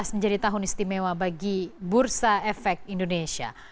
dua ribu delapan belas menjadi tahun istimewa bagi bursa efek indonesia